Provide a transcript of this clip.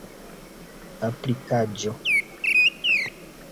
aplikaĵo